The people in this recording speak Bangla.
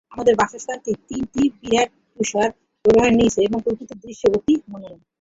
আমাদের বাসস্থানটি তিনটি বিরাট তুষার-প্রবাহের নীচে এবং প্রাকৃতিক দৃশ্য অতি মনোরম।